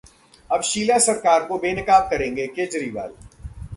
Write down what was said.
अब शीला सरकार को बेनकाब करेंगे केजरीवाल